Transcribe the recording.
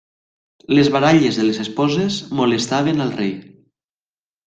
Les baralles de les esposes molestaven al rei.